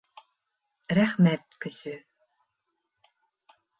РӘХМӘТ көсө